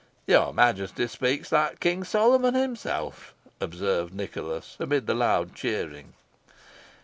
"Your Majesty speaks like King Solomon himself," observed Nicholas, amid the loud cheering.